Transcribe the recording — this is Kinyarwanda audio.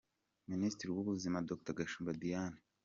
Minisitiri w’Ubuzima : Dr Gashumba Diane